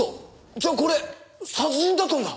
じゃあこれ殺人だったんだ。